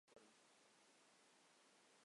তিনি দক্ষতার পরিচয় দেন এবং সম্মানলাভ করেন।